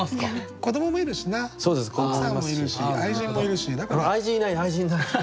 子どももいるしな奥さんもいるし愛人もいるしだから。